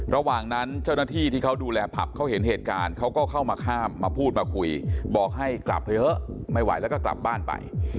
ระหว่างนั้นเจ้าหน้าที่ที่เขาดูแลผับเขาเห็นเหตุการณ์เขาก็เข้ามาข้ามมาพูดมาคุยบอกให้กลับไปเถอะไม่ไหวแล้วก็กลับบ้านไป